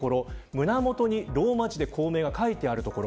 胸元にローマ字で校名が書いているあるところ。